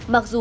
mặc dù là